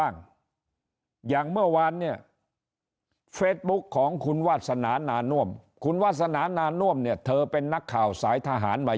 น่าน่วมคุณวาสนานาน่าน่วมเนี่ยเธอเป็นนักข่าวสายทหารมา